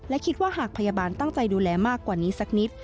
และคิดว่าหากพยาบาลตั้งใจดูแลมากกว่านี้สักนิด